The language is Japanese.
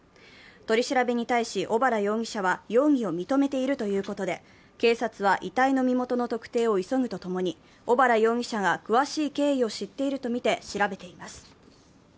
取り調べに対し小原容疑者は、容疑を認めているということで、警察は遺体の身元の特定を急ぐとともに小原容疑者が詳しい経緯を知っているとみて調べています。